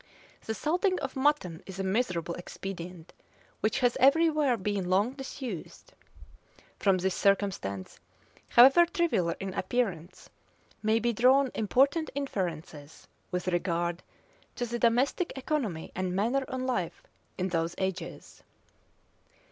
The salting of mutton is a miserable expedient, which has every where been long disused. From this circumstance, however trivial in appearance, may be drawn important inferences with regard to the domestic economy and manner of life in those ages.